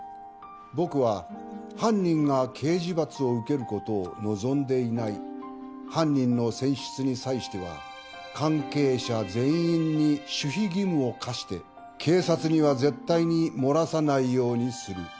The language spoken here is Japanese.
「僕は犯人が刑事罰を受けることを望んでいない」「犯人の選出に際しては関係者全員に守秘義務を課して警察には絶対に漏らさないようにする」